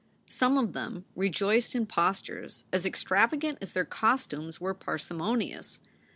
Some of them rejoiced in pos tures as extravagant as their costumes were parsimonious.